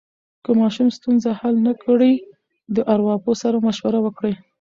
که ماشوم ستونزه حل نه کړي، د ارواپوه سره مشوره وکړئ.